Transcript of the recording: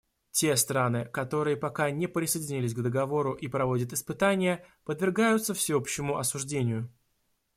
Те страны, которые пока не присоединились к Договору и проводят испытания, подвергаются всеобщему осуждению.